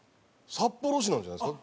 札幌市なんじゃないですか？